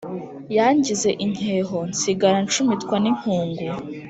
yangize inkeho nsigara ncumitwa n’inkungu